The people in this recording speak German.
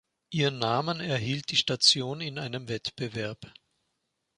Ihren Namen erhielt die Station in einem Wettbewerb.